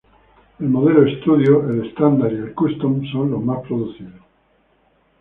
El modelo Studio, el Standard y el Custom son los más producidos.